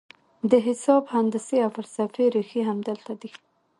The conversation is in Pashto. د حساب، هندسې او فلسفې رېښې همدلته دي.